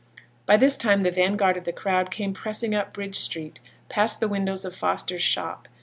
By this time the vanguard of the crowd came pressing up Bridge Street, past the windows of Foster's shop.